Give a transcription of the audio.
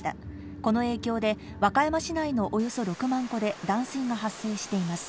この影響で、和歌山市内のおよそ６万戸で断水が発生しています。